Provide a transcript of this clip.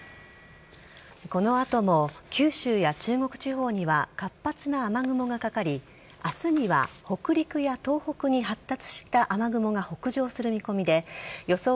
この後も九州や中国地方には活発な雨雲がかかり明日には北陸や東北に発達した雨雲が北上する見込みで予想